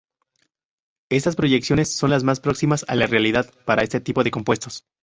Estas proyecciones son las más próximas a la realidad para este tipo de compuestos.